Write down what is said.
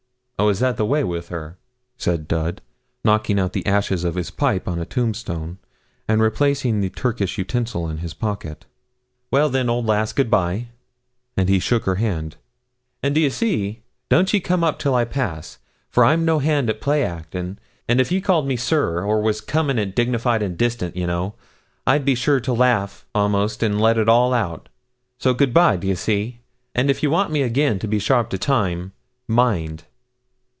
'Oh, is that the way with her?' said Dud, knocking out the ashes of his pipe on a tombstone, and replacing the Turkish utensil in his pocket. 'Well, then, old lass, good bye,' and he shook her hand. 'And, do ye see, don't ye come up till I pass, for I'm no hand at play acting; an' if you called me "sir," or was coming it dignified and distant, you know, I'd be sure to laugh, a'most, and let all out. So good bye, d'ye see, and if you want me again be sharp to time, mind.